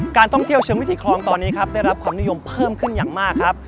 การท่องเที่ยวเชิงวิถีคลองตอนนี้ครับได้รับความนิยมเพิ่มขึ้นอย่างมากครับ